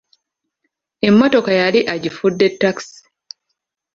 Emmottka yali agifudde takisi.